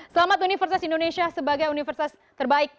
selamat universitas indonesia sebagai universitas terbaik